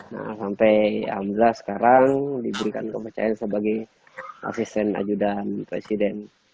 nah sampai alhamdulillah sekarang diberikan kepercayaan sebagai asisten ajudan presiden